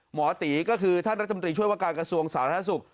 หมอตีก็คือท่านรัฐมนตรีช่วยว่าการกระทรวงสาธารณสุข